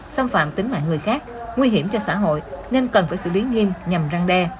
xâm phạm tính mạng người khác nguy hiểm cho xã hội nên cần phải xử lý nghiêm nhằm răng đe